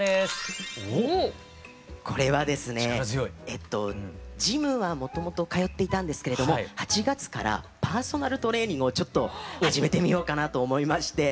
えとジムはもともと通っていたんですけれども８月からパーソナルトレーニングをちょっと始めてみようかなと思いまして。